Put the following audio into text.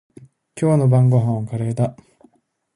今日の晩ごはんはカレーだ。